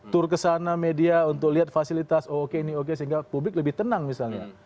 tour ke sana media untuk lihat fasilitas oke ini oke sehingga publik lebih tenang misalnya